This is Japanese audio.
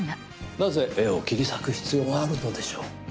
なぜ、絵を切り裂く必要があるのでしょう。